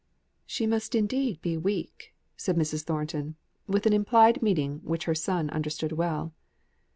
"She must indeed be weak," said Mrs. Thornton, with an implied meaning which her son understood well.